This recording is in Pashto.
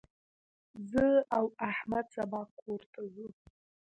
زه او احمد سبا کور ته ځو.